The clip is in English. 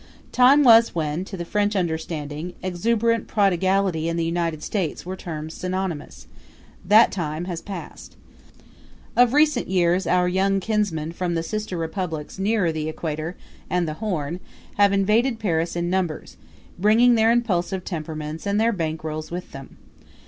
Time was when, to the French understanding, exuberant prodigality and the United States were terms synonymous; that time has passed. Of recent years our young kinsmen from the sister republics nearer the Equator and the Horn have invaded Paris in numbers, bringing their impulsive temperaments and their bankrolls with them.